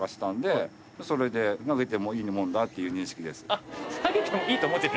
あ投げてもいいと思ってた？